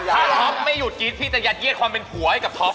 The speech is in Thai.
ถ้าท็อปไม่หยุดกรี๊ดที่จะยัดเยียดความเป็นผัวให้กับท็อป